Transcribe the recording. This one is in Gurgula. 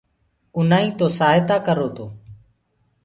اُنآئين تو سآهتآ ڪررو تو